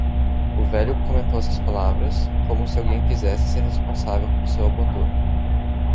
O velho comentou essas palavras, como se alguém quisesse ser responsável por seu abandono.